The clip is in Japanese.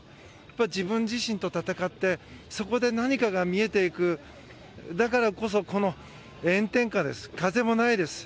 自分自身と戦ってそこで何かが見えていくだからこそ、この炎天下です風もないです。